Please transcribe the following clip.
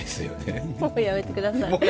もうやめてください。